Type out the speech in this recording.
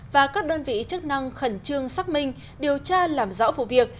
và các đơn vị chức năng khẩn trương xác minh điều tra làm rõ vụ việc